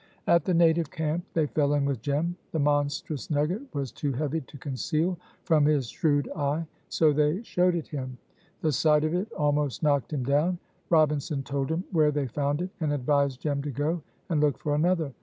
At the native camp they fell in with Jem. The monstrous nugget was too heavy to conceal from his shrewd eye, so they showed it him. The sight of it almost knocked him down. Robinson told him where they found it, and advised Jem to go and look for another.